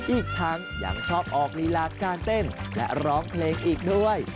อีกทั้งยังชอบออกลีลาการเต้นและร้องเพลงอีกด้วย